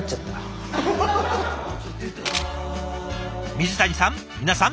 水谷さん